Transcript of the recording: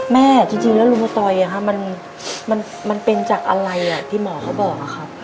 แม่จริงแล้วลุงตอยมันเป็นจากอะไรที่หมอเขาบอกอะครับ